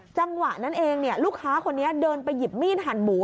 จังหวะนั้นเองลูกค้าคนนี้เดินไปหยิบมีดหั่นหมู